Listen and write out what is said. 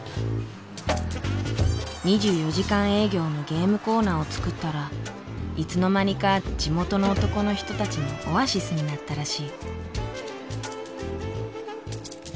２４時間営業のゲームコーナーを作ったらいつの間にか地元の男の人たちのオアシスになったらしい。